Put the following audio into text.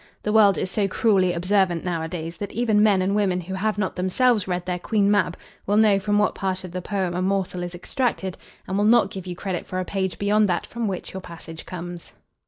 The world is so cruelly observant now a days, that even men and women who have not themselves read their "Queen Mab" will know from what part of the poem a morsel is extracted, and will not give you credit for a page beyond that from which your passage comes.